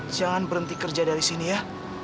jangan berhenti kerja dari sini ya